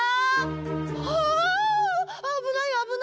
はああぶないあぶない！